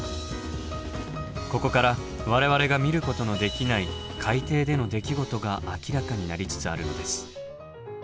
ここから我々が見ることのできない海底での出来事が明らかになりつつあるのです。